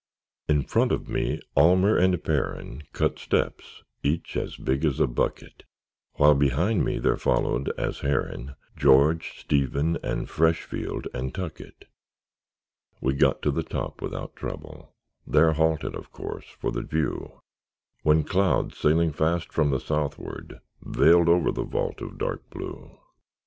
In front of me Almer and Perren Cut steps, each as big as a bucket; While behind me there followed, as Herren, George, Stephen, and Freshfield, and Tuckett. We got to the top without trouble; There halted, of course, for the view; When clouds, sailing fast from the southward, Veiled over the vault of dark blue.